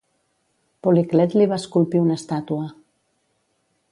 Policlet li va esculpir una estàtua.